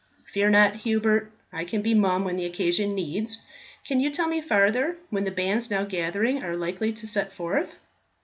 "Fear not, Hubert; I can be mum when the occasion needs. Can you tell me farther, when the bands now gathering are likely to set forth?"